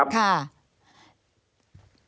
ครับ